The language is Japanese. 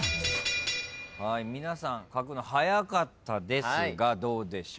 皆さん書くの早かったですがどうでしょうか？